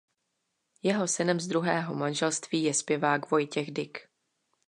Jeho synem z druhého manželství je zpěvák Vojtěch Dyk.